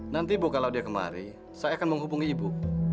nanti ibu kalau dia kemari saya akan menghubung ibu